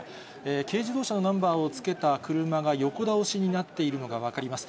軽自動車のナンバーをつけた車が横倒しになっているのが分かります。